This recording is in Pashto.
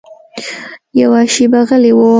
يوه شېبه غلى و.